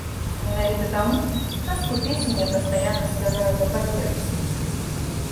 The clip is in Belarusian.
Менавіта таму частку песень я пастаянна спяваю па паперцы.